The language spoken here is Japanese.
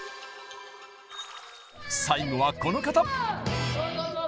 最後はこの方！